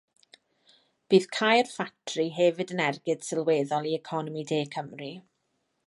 Bydd cau'r ffatri hefyd yn ergyd sylweddol i economi de Cymru.